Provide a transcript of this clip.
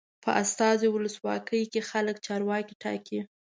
په استازي ولسواکۍ کې خلک چارواکي ټاکي.